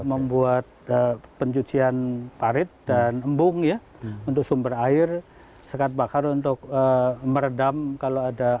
membuat pencucian parit dan embung ya untuk sumber air sekat bakar untuk meredam kalau ada